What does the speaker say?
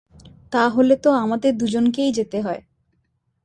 তা হলে তো আমাদের দুজনকেই যেতে হয়।